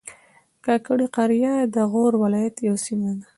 کاکړي قریه د غور ولایت یوه سیمه ده